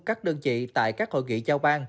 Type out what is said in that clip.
các đơn vị tại các hội nghị giao ban